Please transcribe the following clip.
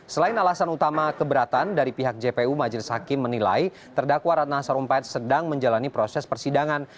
selain alasan utama keberatan dari pihak jpu majelis hakim menilai terdakwa ratna sarumpait sedang menjalani proses persidangan